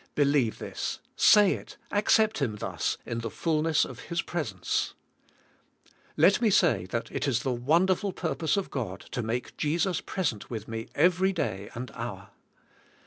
Believe this, say it, accept Him thus, in the fulness of His presence. Let me say that it is the wonderful purpose of God to make Jesus present with me every day and hour.